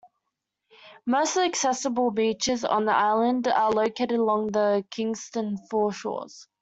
Most of the accessible beaches on the island are located along the Kingston foreshores.